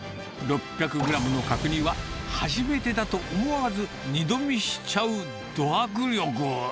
６００グラムの角煮は、初めてだと思わず二度見しちゃうど迫力。